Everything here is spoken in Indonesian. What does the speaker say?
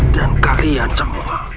dan kalian semua